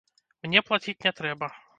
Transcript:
Мне плаціць не трэба.